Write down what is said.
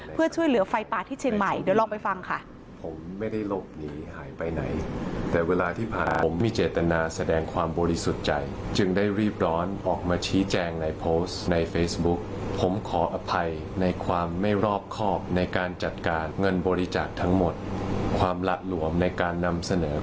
เพื่อช่วยเหลือไฟป่าที่เชียงใหม่เดี๋ยวลองไปฟังค่ะ